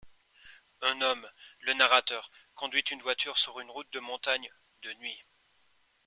Un homme, le narrateur, conduit une voiture sur une route de montagne, de nuit.